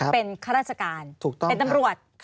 เป็นข้าราชการเป็นตำรวจ